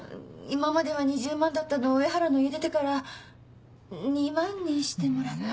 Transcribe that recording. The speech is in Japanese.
今までは２０万だったのを上原の家出てから２万にしてもらって。